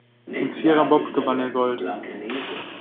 Im Viererbob gewann er Gold.